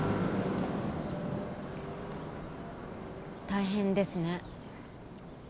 大変ですね。